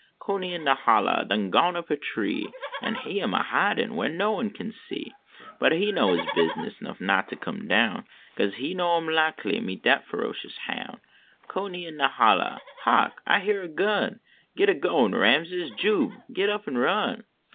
Coonie in de holler done gone up a tree. An he am a hidin \\har no one can see. But he know his bi/ness nuff not to come down, Kase he know him likely meet dat frocious hoiuf. Coonie in de holler, hark, I hyar a gun, Git a goin Rasmus, Jube git up an run.